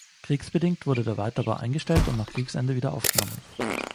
Kriegsbedingt wurde der Weiterbau eingestellt und nach Kriegsende wieder aufgenommen.